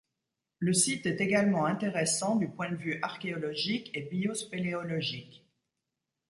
Le site est également intéressant du point de vue archéologique et biospéléologique.